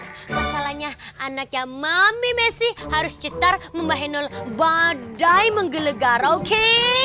masalahnya anaknya mami messi harus cetar membahanul badai menggelegar oke